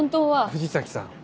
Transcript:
藤崎さん。